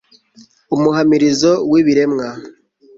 umuhamirizo w'ibiremwa